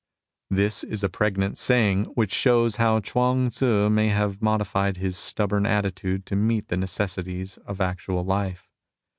This is a pregnant sa3ang, which shows how Chuang Tzu may have modified his stubborn attitude to meet the necessities of actual life.